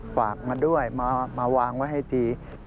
ฝากมาด้วยมาวางไว้ให้ที